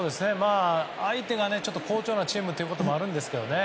相手が好調なチームということもあるんですけどね。